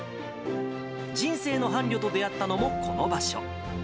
人生の伴侶と出会ったのもこの場所。